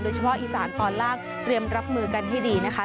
เฉพาะอีสานตอนล่างเตรียมรับมือกันให้ดีนะคะ